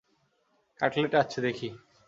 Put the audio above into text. Cutlet আছে দেখি!